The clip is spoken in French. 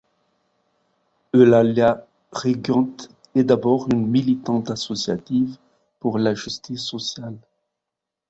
Eulàlia Reguant est d'abord une militante associative pour la justice sociale.